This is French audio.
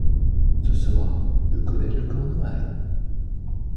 Ce sera le collège de Cornouailles.